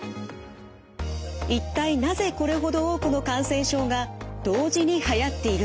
一体なぜこれほど多くの感染症が同時にはやっているのか？